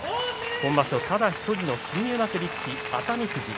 今場所ただ１人の新入幕力士